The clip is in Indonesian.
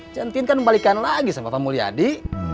ceng tien kan membalikkan lagi sama pak mulyadi